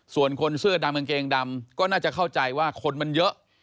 ส่วนคนเสื้อดำกางเกงดำก็น่าจะเข้าใจว่าคนมันเยอะ